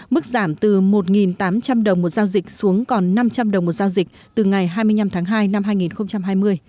mức giảm từ một tám trăm linh đồng một giao dịch xuống còn năm trăm linh đồng một giao dịch từ ngày hai mươi năm tháng hai năm hai nghìn hai mươi